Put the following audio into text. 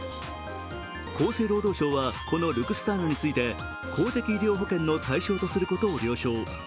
厚生労働省はこのルクスターナについて公的医療保険の対象とすることを了承。